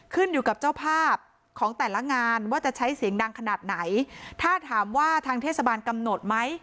ขึ้นอยู่กับเจ้าภาพของแต่ละงานว่าจะใช้เสียงดังขนาดไหนถ้าถามว่าทางเทศบาลกำหนดไหม